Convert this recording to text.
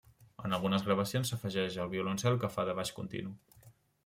En algunes gravacions s'afegeix el violoncel que fa de baix continu.